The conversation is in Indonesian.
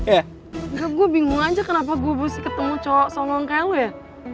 enggak gue bingung aja kenapa gue mesti ketemu cowok sombong kayak lo ya